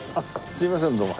すいませんどうも。